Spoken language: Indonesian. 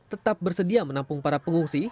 tetap bersedia menampung para pengungsi